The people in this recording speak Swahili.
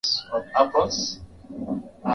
Mja wako nasumbuka, nipate niyatakayo.